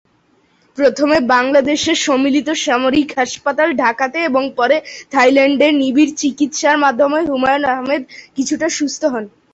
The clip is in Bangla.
প্রথমে বাংলাদেশের সম্মিলিত সামরিক হাসপাতাল, ঢাকাতে এবং পরে থাইল্যান্ডে নিবিড় চিকিৎসার মাধ্যমে হুমায়ুন আহমেদ কিছুটা সুস্থ হন।